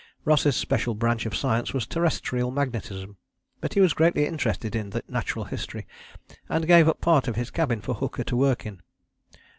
Ross's special branch of science was terrestrial magnetism, but he was greatly interested in Natural History, and gave up part of his cabin for Hooker to work in.